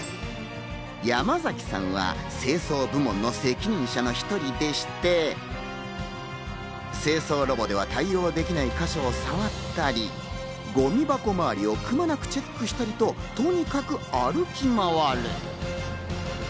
山崎さんは清掃部門の責任者の１人でして、清掃ロボでは対応できない箇所を触ったり、ごみ箱周りをくまなくチェックしたりと、とにかく歩き回る。